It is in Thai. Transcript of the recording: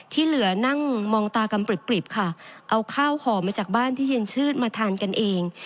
ที่เหลือนั่งมองตากำปริบค่ะเอาข้าวห่อมาจากบ้านที่เย็นชื่นมาทานกันเอง